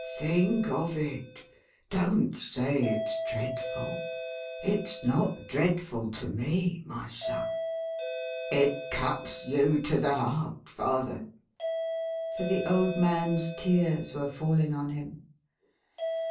" Think of it. Don't say it's dreadful. Ifs not dreadful to me, my son." "It cuts you to the heart, father." For the old man's tears were falling on him.